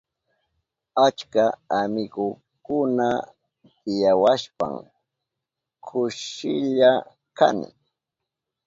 Achka amigukuna tiyawashpan kushilla kani.